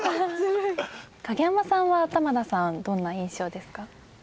影山さんは玉田さんどんな印象ですか？